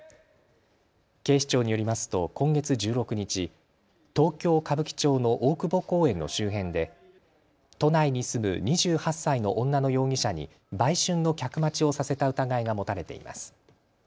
警視庁によりますと今月１６日、東京歌舞伎町の大久保公園の周辺で都内に住む２８歳の女の容疑者に売春の客待ちをさせた疑いが持たれています。